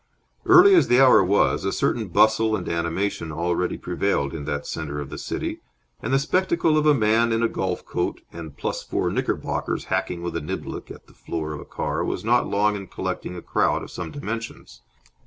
Early as the hour was, a certain bustle and animation already prevailed in that centre of the city, and the spectacle of a man in a golf coat and plus four knickerbockers hacking with a niblick at the floor of a car was not long in collecting a crowd of some dimensions.